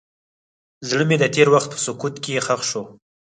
زړه مې د تېر وخت په سکوت کې ښخ شو.